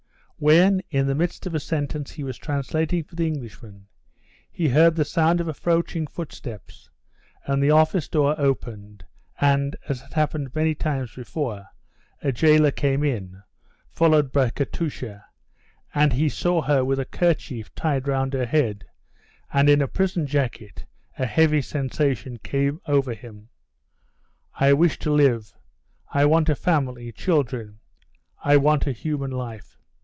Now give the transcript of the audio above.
When, in the midst of a sentence he was translating for the Englishman, he heard the sound of approaching footsteps, and the office door opened, and, as had happened many times before, a jailer came in, followed by Katusha, and he saw her with a kerchief tied round her head, and in a prison jacket a heavy sensation came over him. "I wish to live, I want a family, children, I want a human life."